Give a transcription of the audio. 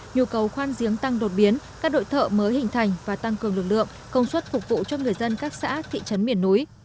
nhu cầu khoan giếng tăng đột biến các đội thợ mới hình thành và tăng cường lực lượng công suất phục vụ cho người dân các xã thị trấn miền núi